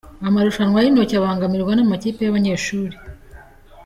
Amarushanwa yintoki abangamirwa n’amakipe y’abanyeshuri